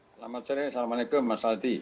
selamat sore assalamualaikum mas aldi